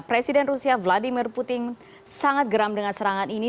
presiden rusia vladimir putin sangat geram dengan serangan ini